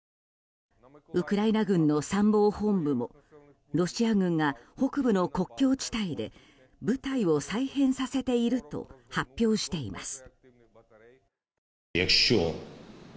ウクライナ軍の参謀本部もロシア軍が北部の国境地帯で部隊を再編させていると発表しています。